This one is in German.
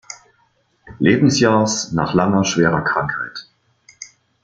Lebensjahrs, nach langer schwerer Krankheit.